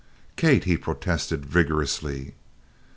"Kate!" he protested vigorously.